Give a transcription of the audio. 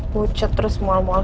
pucet terus mual mual